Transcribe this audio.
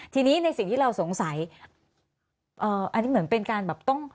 ทีนี้ในสิ่งที่เราสงสัยอันนี้เหมือนเป็นการแบบต้อง